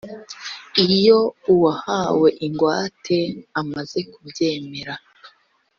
iyo uwahawe ingwate amaze kubyemera